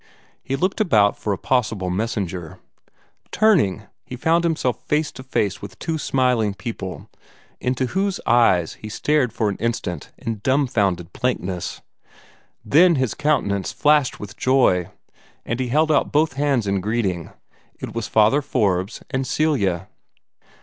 He looked about for a possible messenger. Turning, he found himself face to face with two smiling people, into whose eyes he stared for an instant in dumfounded blankness. Then his countenance flashed with joy, and he held out both hands in greeting. It was Father Forbes and Celia.